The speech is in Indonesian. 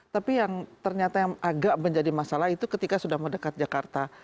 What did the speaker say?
tapi yang ternyata yang agak menjadi masalah itu ketika sudah mendekat jakarta